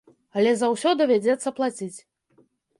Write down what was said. Але за ўсё давядзецца плаціць.